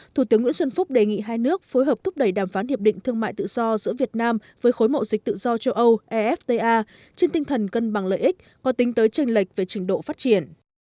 thủ tướng nguyễn xuân phúc đề nghị hai nước phối hợp thúc đẩy đàm phán hiệp định thương mại tự do giữa việt nam với khối mộ dịch tự do châu âu efta trên tinh thần cân bằng lợi ích có tính tới trình lệch về trình độ phát triển